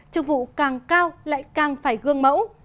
trường vụ càng cao lại càng phải gương mẫu